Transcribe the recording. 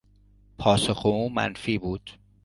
پاسخ او منفی بود.